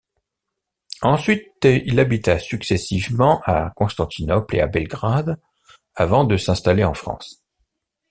Ensuite, il habitat successivement à Constantinople et à Belgrade, avant de s’installer en France.